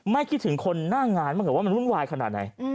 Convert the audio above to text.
ไม่คิดถึงคนหน้างานเหมือนมันรุนวายขนาดไหน